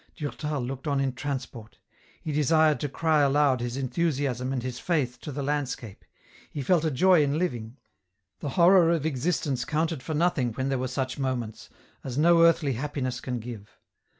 Durtal looked on in transport. He desired to cry aloud his enthusiasm and his Faith to the landscape ; he felt a joy in living. The horror of existence counted for nothing when there were such moments, as no earthly happi ness can give.